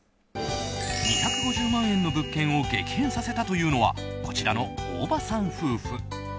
２５０万円の物件を激変させたというのはこちらの大場さん夫妻。